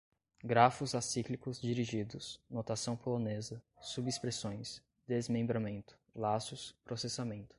grafos acíclicos dirigidos, notação polonesa, subexpressões, desmembramento, laços, processamento